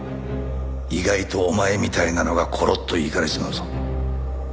意外とお前みたいなのがコロッといかれちまうぞ。